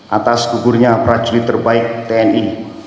atas gugurnya prajurit terbaik tni